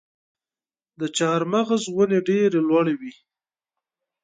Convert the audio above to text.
د چهارمغز ونې ډیرې لوړې وي.